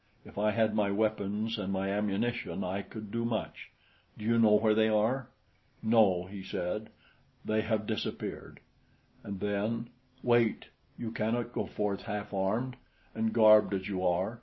"If I had my weapons and my ammunition, I could do much. Do you know where they are?" "No," he said, "they have disappeared." And then: "Wait! You cannot go forth half armed, and garbed as you are.